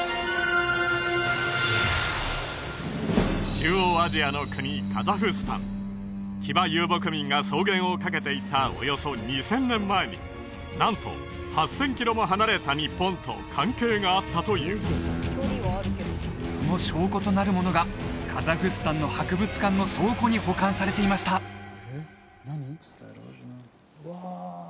中央アジアの国カザフスタン騎馬遊牧民が草原を駆けていたおよそ２０００年前になんと８０００キロも離れた日本と関係があったというその証拠となるものがカザフスタンの博物館の倉庫に保管されていましたうわ